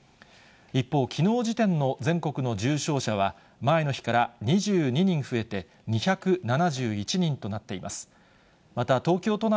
一方、きのう時点の全国の重症者は前の日から２２人増えて、２７１人となっています。